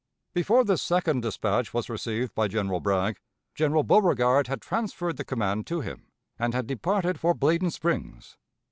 Before this second dispatch was received by General Bragg, General Beauregard had transferred the command to him, and had departed for Bladen Springs.